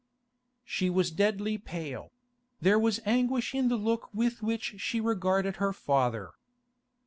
She was deadly pale; there was anguish in the look with which she regarded her father.